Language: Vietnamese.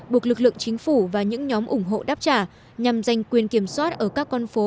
buộc lực lượng chính phủ và những nhóm ủng hộ đáp trả nhằm giành quyền kiểm soát ở các con phố